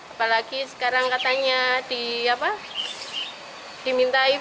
apalagi sekarang katanya dimintai